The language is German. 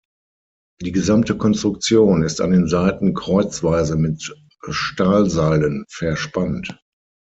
Die gesamte Konstruktion ist an den Seiten kreuzweise mit Stahlseilen verspannt.